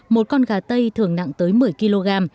một con gà tây thường nặng tới một mươi kg